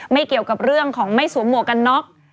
เกี่ยวกับเรื่องของไม่สวมหมวกกันน็อก